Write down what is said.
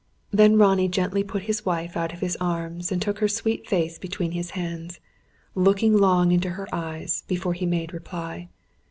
Then Ronnie gently put his wife out of his arms, and took her sweet face between his hands, looking long into her eyes, before he made reply.